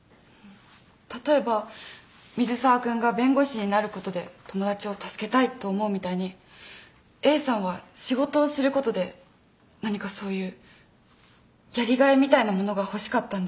例えば水沢君が弁護士になることで友だちを助けたいと思うみたいにＡさんは仕事をすることで何かそういうやりがいみたいなものが欲しかったんじゃないかな？